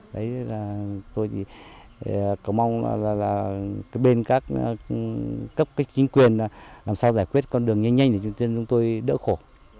đấy là tôi thì cầu mong là bên các chính quyền làm sao giải quyết con đường nhanh nhanh để chúng tôi đỡ khổ